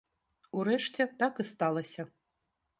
Урэшце, так і сталася.